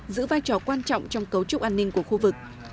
giữ vai trò quan trọng trong cấu trúc an ninh của khu vực